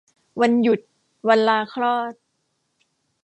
วันหยุด วันลาคลอด